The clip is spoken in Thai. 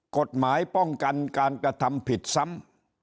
กฎหมายป้องกันการกระทำผิดซ้ำ